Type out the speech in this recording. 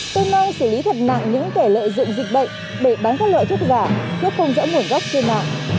tôi mong xử lý thật nặng những kẻ lợi dụng dịch bệnh bệnh bán các loại thuốc giả giúp không rõ nguồn gốc trên mạng